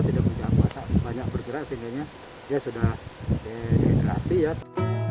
tidak menjaga kuasa banyak bergerak sehingga dia sudah dihidrasi